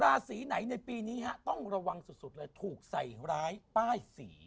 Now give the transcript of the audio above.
ราศีไหนในปีนี้ฮะต้องระวังสุดเลยถูกใส่ร้ายป้ายสี